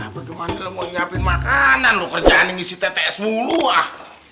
bagaimana lo mau nyiapin makanan kerjaan ini si tts mulu ah